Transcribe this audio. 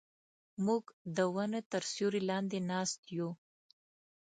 موږ د ونو تر سیوري لاندې ناست یو.